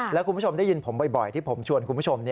แล้วคุณผู้ชมได้ยินผมบ่อยที่ผมชวนคุณผู้ชม